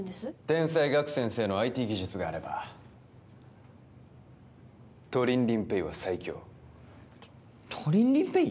天才ガク先生のＩＴ技術があればトリンリンＰａｙは最強トリンリンＰａｙ？